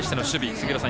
杉浦さん